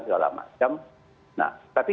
segala macam nah tapi